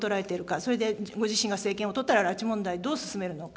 それでご自身が政権を取ったら、拉致問題をどう進めるのか。